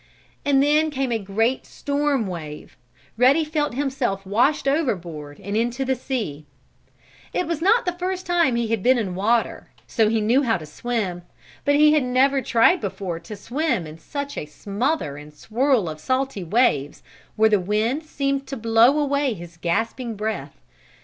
And then came a great storm wave Ruddy felt himself washed overboard and into the sea. It was not the first time he had been in water, so he knew how to swim. But he had never tried before to swim in such a smother and swirl of salty waves, where the wind seemed to blow away his gasping breath.